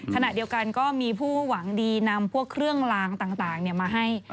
ขณะเดียวกันก็มีผู้หวังดีนำพวกเครื่องลางต่างมาให้